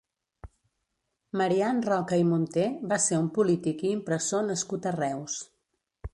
Marian Roca i Munté va ser un polític i impressor nascut a Reus.